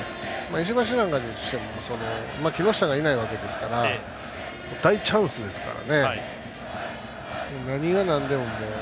石橋なんかにしても木下がいないわけですから大チャンスですからね。